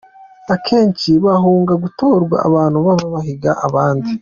Akenshi hakunda gutorwa abantu baba bahiga abandi.